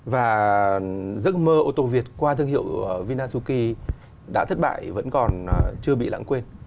và giấc mơ ô tô việt qua thương hiệu vinasuki đã thất bại vẫn còn chưa bị lãng quên